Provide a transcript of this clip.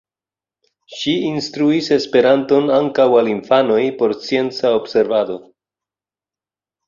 Ŝi instruis Esperanton ankaŭ al infanoj por scienca observado.